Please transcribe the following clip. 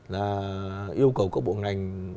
là yêu cầu các bộ ngành